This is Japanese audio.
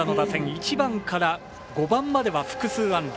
１番から５番までは複数安打。